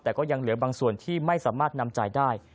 แต่ก็ยังเหลือบางส่วนที่ไม่สามารถนำจ่ายได้